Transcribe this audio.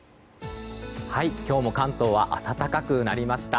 今日も関東は暖かくなりました。